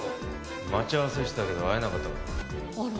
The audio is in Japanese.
待ち合わせしてたけど会えなかったから。